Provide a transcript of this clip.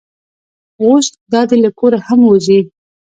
اوس دا دی له کوره هم وځي.